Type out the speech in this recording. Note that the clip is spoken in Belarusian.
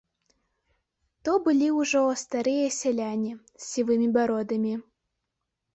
То былі ўжо старыя сяляне, з сівымі бародамі.